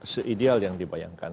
se ideal yang dibayangkan